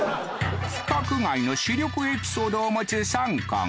規格外の視力エピソードを持つサンコン。